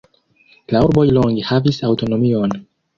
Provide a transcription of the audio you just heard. La urboj longe havis aŭtonomion.